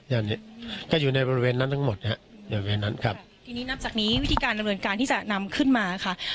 อันนี้ก็อยู่ในบริเวณนั้นทั้งหมดฮะบริเวณนั้นครับทีนี้นับจากนี้วิธีการดำเนินการที่จะนำขึ้นมาค่ะ